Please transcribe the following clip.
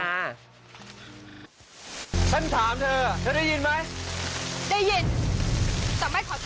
ฉันถามเธอฉันได้ยินไหม